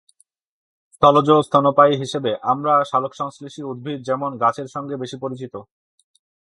স্থলজ স্তন্যপায়ী হিসেবে আমরা সালোকসংশ্লেষী উদ্ভিদ যেমন গাছের সঙ্গে বেশি পরিচিত।